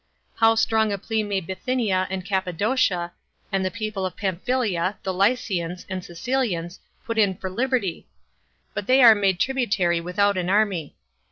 How strong a plea may Bithynia, and Cappadocia, and the people of Pamphylia, the Lycians, and Cilicians, put in for liberty! But they are made tributary without an army.